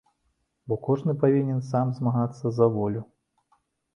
Бо кожны павінен сам змагацца за волю.